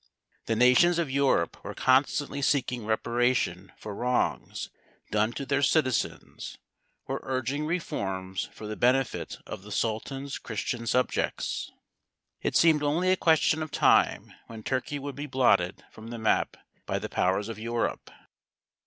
The nations of Europe were constantly seeking reparation for wrongs done to their citizens or urging reforms for the benefit of the Sultan's Christian subjects. It seemed only a question of time when Turkey would be blotted from the map by the powers of Europe.